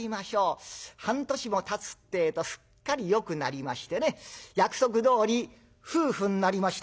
半年もたつってえとすっかりよくなりましてね約束どおり夫婦になりました。